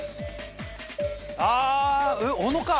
あぁ小野か。